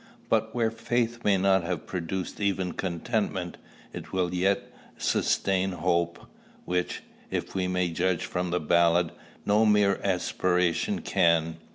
But where faith may not have produced even contentment, it will yet sustain hope: which, if we may judge from the ballad, no mere aspiration can.